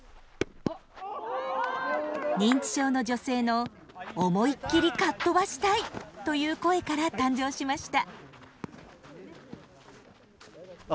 認知症の女性の思いっきりかっ飛ばしたいという声から誕生しました。